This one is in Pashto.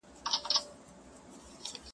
• د پانوس تتي رڼا ته به شرنګی وي د پایلو -